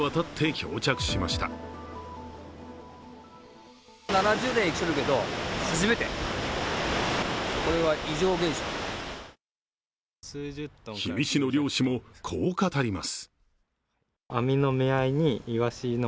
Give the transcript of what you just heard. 氷見市の漁師も、こう語ります。